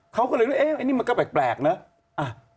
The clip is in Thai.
เขาก็เลยเอ๊ะอันนี้มันก็แปลกเนอะ